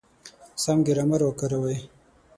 سم ګرامر وکاروئ!.